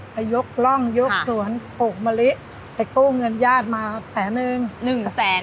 ไปยกร่องยกสวนปลูกมะลิไปกู้เงินญาติมาแสนนึงหนึ่งแสน